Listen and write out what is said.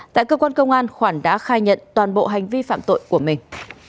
tại cơ quan công an khoản đã khai nhận toàn bộ hành vi phạm tội của mình